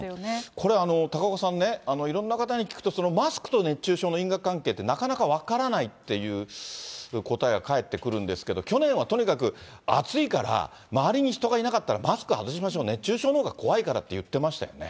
これ、高岡さんね、いろんな方に聞くと、マスクと熱中症の因果関係ってなかなか分からないっていう答えが返ってくるんですけれども、去年はとにかく暑いから、周りに人がいなかったらマスク外しましょう、熱中症のほうが怖いからって言ってましたよね。